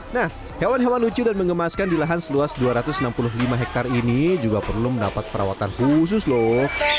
nah hewan hewan lucu dan mengemaskan di lahan seluas dua ratus enam puluh lima hektare ini juga perlu mendapat perawatan khusus loh